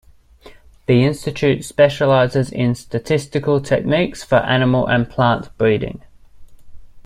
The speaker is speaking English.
The institute specializes in statistical techniques for animal and plant breeding.